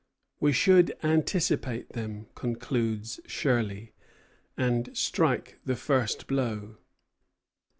We should anticipate them, concludes Shirley, and strike the first blow.